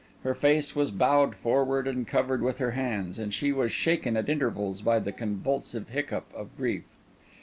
Her face was bowed forward and covered with her hands, and she was shaken at intervals by the convulsive hiccup of grief.